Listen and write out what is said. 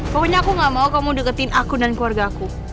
pokoknya aku gak mau kamu deketin aku dan keluarga aku